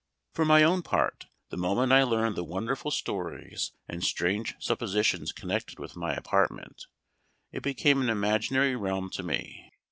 For my own part, the moment I learned the wonderful stories and strange suppositions connected with my apartment, it became an imaginary realm to me.